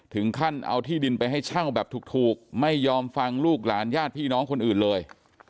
ถึงขั้นเอาที่ดินไปให้เช่าแบบถูกไม่ยอมฟังลูกหลานญาติพี่น้องคนอื่นเลย